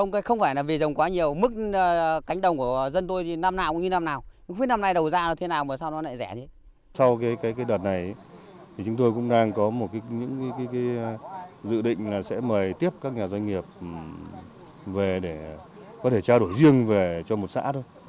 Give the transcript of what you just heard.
chúng tôi cũng đang có một dự định là sẽ mời tiếp các nhà doanh nghiệp về để có thể trao đổi riêng về cho một xã thôi